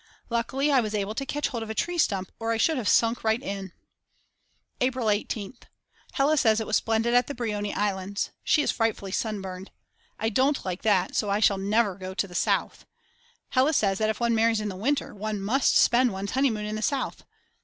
Luckily I was able to catch hold of a tree stump or I should have sunk right in. April 18th. Hella says it was splendid at the Brioni Islands. She is frightfully sunburned. I don't like that, so I shall never go to the south. Hella says that if one marries in winter one must spend one's honeymoon in the south.